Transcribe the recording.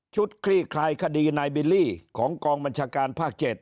คลี่คลายคดีนายบิลลี่ของกองบัญชาการภาค๗